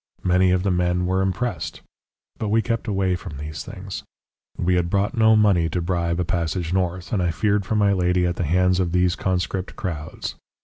Many of the men were impressed. But we kept away from these things; we had brought no money to bribe a passage north, and I feared for my lady at the hands of these conscript crowds.